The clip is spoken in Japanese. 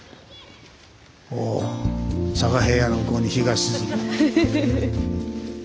おお佐賀平野の向こうに日が沈む。